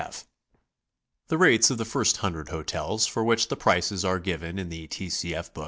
F. The rates of the first hundred hotels for which the prices arc given in the T. C. F.